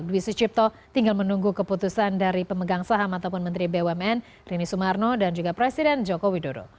dwi sucipto tinggal menunggu keputusan dari pemegang saham ataupun menteri bumn rini sumarno dan juga presiden joko widodo